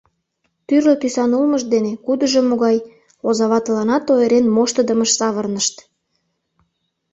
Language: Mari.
Тӱрлӧ тӱсан улмышт дене кудыжо могай — озаватыланат ойырен моштыдымыш савырнышт.